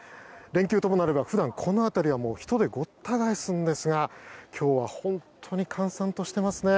連休ともなれば普段、この辺りは人でごった返すんですが今日は本当に閑散としていますね。